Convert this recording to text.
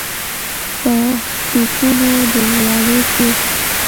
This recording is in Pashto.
په ټوپونو له ويالې تېر شو.